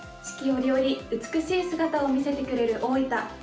折々美しい姿を見せてくれる大分。